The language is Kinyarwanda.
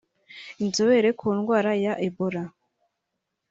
inzobere ku ndwara ya Ebola